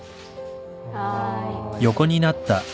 はい。